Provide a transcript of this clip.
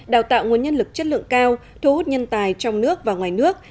đào tạo nguồn nhân lực chất lượng cao thu hút nhân tài trong nước và ngoài nước